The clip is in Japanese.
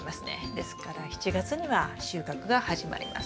ですから７月には収穫が始まります。